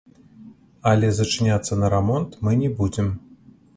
Але зачыняцца на рамонт мы не будзем.